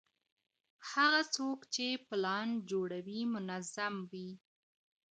هغه څوک چي پلان جوړوي منظم وي.